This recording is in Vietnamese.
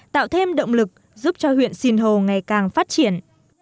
tạo thêm động lực giúp cho huyện sinh hồ ngày càng phát triển